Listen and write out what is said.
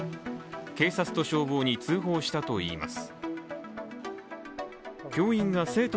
警察と消防に通報したといいます。